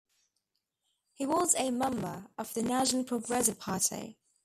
He was a member of the National Progressive Party.